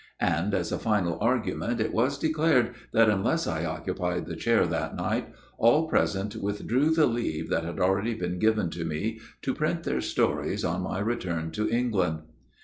And as a final argument it was declared that unless I occupied the chair that night, all present with drew the leave that had already been given to me, to print their stories on my return to England.